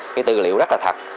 cái tư liệu rất là thật